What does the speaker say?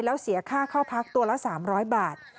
แล้วเสียค่าเข้าพักตัวละ๓๐๐บาท